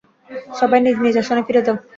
সবাই নিজ নিজ আসনে ফিরে যাও!